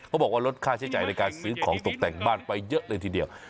บอกว่าลดค่าใช้จ่ายในการซื้อของตกแต่งบ้านไปเยอะเลยทีเดียว